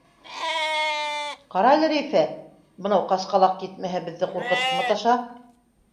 — Ҡарале, Рәйфә, бынау ҡасҡалаҡ етмәһә беҙҙе ҡурҡытып маташа.